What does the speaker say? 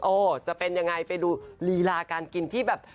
จะเป็นยังไงไปดูลีลาการกินที่แบบ